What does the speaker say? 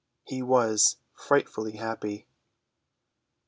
He was frightfully happy.